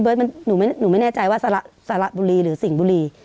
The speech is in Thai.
เบิร์ตมันหนูไม่แน่ใจว่าสระบุรีหรือสิ่งบุรี